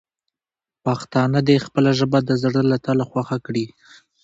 پښتانه دې خپله ژبه د زړه له تله خوښه کړي.